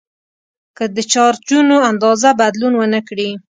که د چارجونو اندازه بدلون ونه کړي.